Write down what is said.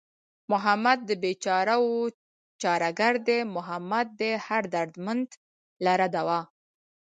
محمد د بېچارهوو چاره گر دئ محمد دئ هر دردمند لره دوا